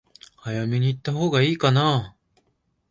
早めに行ったほうが良いかな？